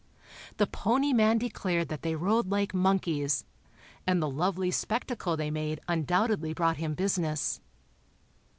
The pony man declared that they rode like monkeys, and the lovely spectacle they made undoubtedly brought him business.